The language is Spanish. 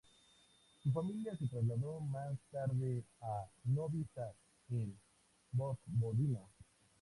Su familia se trasladó más tarde a Novi Sad, en Vojvodina.